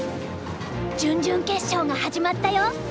準々決勝が始まったよ！